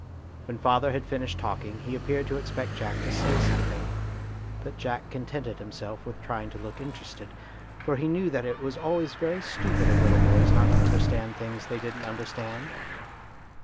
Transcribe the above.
When father had finished talking he appeared to expect Jack to say something, but Jack contented himself with trying to look interested, for he knew that it was always very stupid of little boys not to understand things they didn't understand.